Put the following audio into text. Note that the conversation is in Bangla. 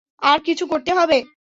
আর কিছু করতে হবে?